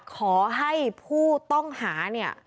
ขอให้ผู้ต้องหา